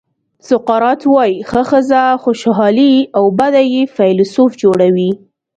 سقراط وایي ښه ښځه خوشالي او بده یې فیلسوف جوړوي.